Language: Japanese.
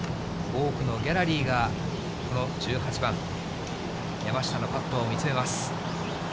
多くのギャラリーがこの１８番、山下のパットを見つめます。